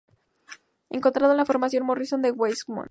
Encontrado en la formación Morrison de Wyoming.